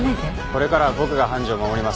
これからは僕が判事を守ります。